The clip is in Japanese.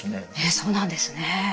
そうなんですね。